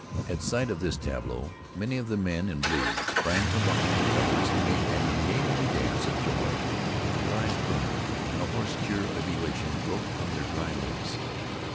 At sight of this tableau, many of the men in blue sprang from behind their covers and made an ungainly dance of joy. Their eyes burned and a hoarse cheer of elation broke from their dry lips.